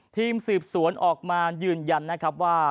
ทีมสืบสวนออกมายืนยันนะครับว่า